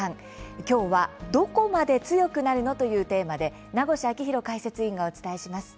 きょうは「どこまで強くなるの？」というテーマで名越章浩解説委員とお伝えします。